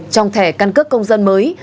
trong thẻ căn cứ công dân mới